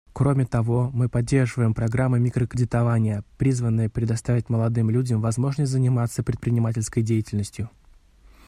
Кроме того, мы поддерживаем программы микрокредитования, призванные предоставить молодым людям возможность заниматься предпринимательской деятельностью.